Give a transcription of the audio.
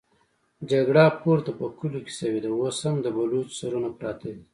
جګړه پورته په کليو کې شوې ده، اوس هم د بلوڅو سرونه پراته دي.